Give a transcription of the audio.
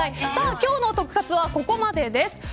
今日のトク活はここまでです。